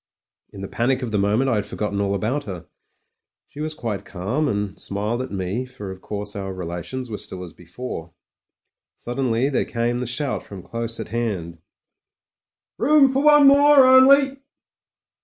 In the panic of the moment I had forgotten all about her. She was quite calm, and smiled at me, for of course our relations were still as before. Suddenly there came the shout from close at hand, "Room for one more only."